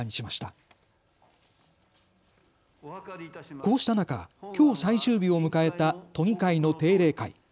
こうした中、きょう最終日を迎えた都議会の定例会。